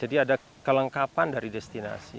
jadi ada kelengkapan dari destinasi